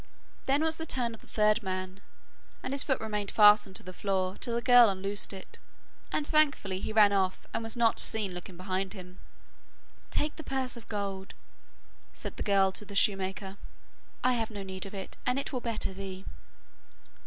Then was the turn of the third man, and his foot remained fastened to the floor, till the girl unloosed it. And thankfully, he ran off, and was not seen looking behind him. 'Take the purse of gold,' said the girl to the shoemaker, 'I have no need of it, and it will better thee.